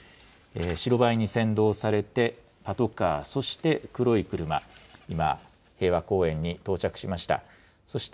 白バイに先導されて、パトカー、そして黒い車、今、平和公園に到着しました。